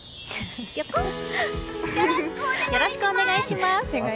よろしくお願いします！